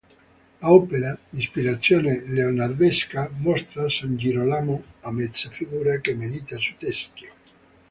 L'opera, di ispirazione leonardesca, mostra san Girolamo a mezza figura che medita su teschio.